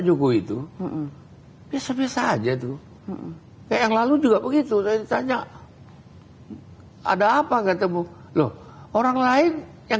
jokowi itu biasa biasa aja tuh yang lalu juga begitu tanya ada apa ketemu loh orang lain yang